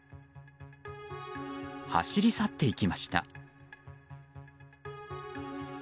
走り去っていきました。